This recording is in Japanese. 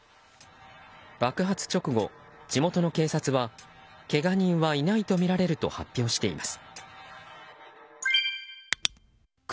爆発直後、地元の警察はけが人はいないとみられると発表しています。